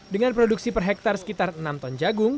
dengan produksi per hektare sekitar enam ton jagung